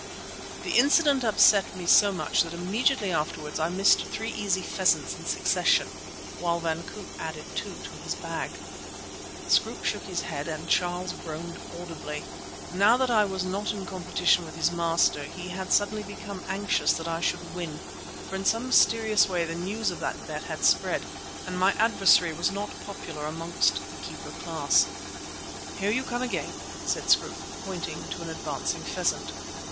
The incident upset me so much that immediately afterwards I missed three easy pheasants in succession, while Van Koop added two to his bag. Scroope shook his head and Charles groaned audibly. Now that I was not in competition with his master he had become suddenly anxious that I should win, for in some mysterious way the news of that bet had spread, and my adversary was not popular amongst the keeper class. "Here you come again," said Scroope, pointing to an advancing pheasant.